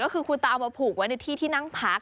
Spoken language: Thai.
ก็คือคุณตาเอามาผูกไว้ในที่ที่นั่งพัก